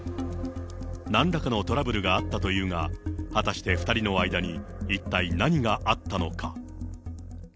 なんらかのトラブルがあったというが、果たして２人の間に一体何があったのか。